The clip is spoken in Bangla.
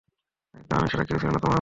কিন্তু আমি ছাড়া কেউ ছিল না তোমার।